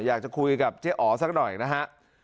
อยากจะคุยกับเจ๊อ๋อสักหน่อยนะฮะ